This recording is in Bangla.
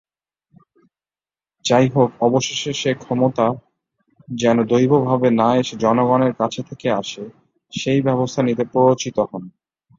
যাইহোক, অবশেষে সে ক্ষমতা যেন দৈব ভাবে না এসে জনগনের কাছ থেকে আসে, সেই ব্যবস্থা নিতে প্ররোচিত হন।